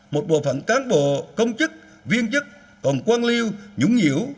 một bộ phận cán bộ công chức viên chức còn quan liêu nhũng nhiễu